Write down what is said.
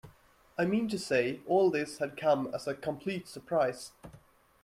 I mean to say, all this had come as a complete surprise.